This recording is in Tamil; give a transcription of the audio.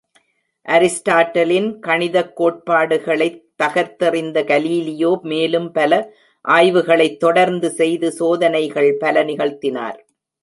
அரிஸ்டாட்டிலின் கணிதக் கோட்பாடுகளைத் தகர்த்தெறிந்த கலீலியோ, மேலும்பல ஆய்வுகளைத் தொடர்த்து செய்து சோதனைகள் பல நிகழ்த்தினார்.